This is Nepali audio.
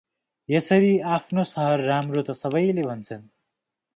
यसरी आफ्नो शहर राम्रो त सबैले भन्छन् ।